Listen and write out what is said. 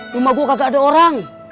rumah gue gak ada orang